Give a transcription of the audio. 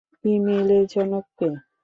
ই-মেইলের জনক কে?